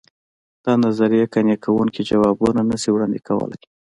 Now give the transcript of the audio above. دا نظریې قانع کوونکي ځوابونه نه شي وړاندې کولای.